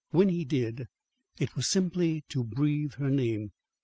When he did, it was simply to breathe her name.